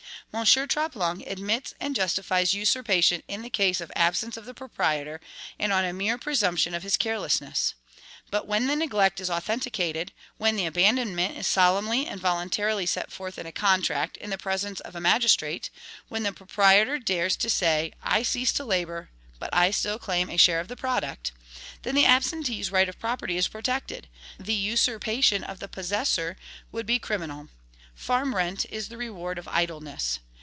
M. Troplong admits and justifies usurpation in case of the ABSENCE of the proprietor, and on a mere presumption of his CARELESSNESS. But when the neglect is authenticated; when the abandonment is solemnly and voluntarily set forth in a contract in the presence of a magistrate; when the proprietor dares to say, "I cease to labor, but I still claim a share of the product," then the absentee's right of property is protected; the usurpation of the possessor would be criminal; farm rent is the reward of idleness.